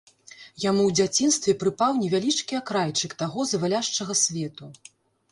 Яму ў дзяцінстве прыпаў невялічкі акрайчык таго заваляшчага свету.